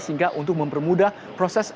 sehingga untuk mempermudah proses